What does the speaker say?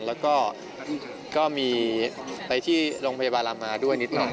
แล้วก็ก็มีไปที่โรงพยาบาลรามาด้วยนิดหน่อย